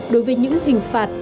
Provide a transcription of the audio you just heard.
đối với những hình phạt